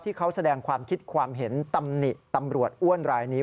ที่เขาแสดงความคิดความเห็นตำหนิตำรวจอ้วนรายนี้